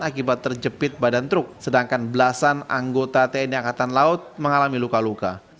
akibat terjepit badan truk sedangkan belasan anggota tni angkatan laut mengalami luka luka